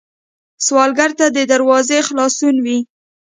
سوالګر ته دروازه خلاصون وي